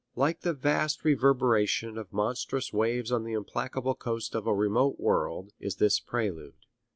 Like the vast reverberation of monstrous waves on the implacable coast of a remote world is this prelude.